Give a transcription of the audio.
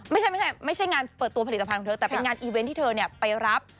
ไม่ใช่ไม่ใช่งานเปิดตัวผลิตภัณฑ์ของเธอแต่เป็นงานอีเวนต์ที่เธอไปรับ